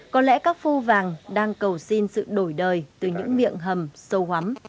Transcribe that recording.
có lẽ các phu vàng đang cầu xin sự đổi đời từ những miệng hầm sâu hắm